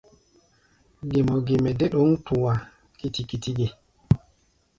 Gé mɔ ge mɛ dé ɗǒŋ tua kiti-kiti ge?